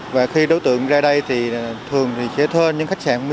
và khi đối tượng ra đây thì thường sẽ thêm những khách sạn mini